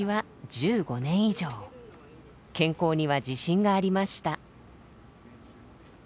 健康には自信がありました。